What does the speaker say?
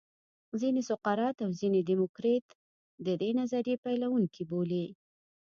ځینې سقرات او ځینې دیموکریت د دې نظریې پیلوونکي بولي